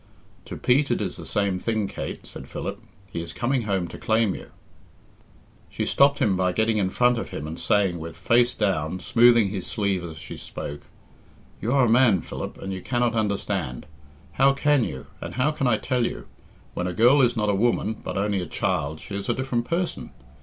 "To Pete it is the same thing, Kate," said Philip. "He is coming home to claim you " She stopped him by getting in front of him and saying, with face down, smoothing his sleeve as she spoke, "You are a man, Philip, and you cannot understand. How can you, and how can I tell you? When a girl is not a woman, but only a child, she is a different person.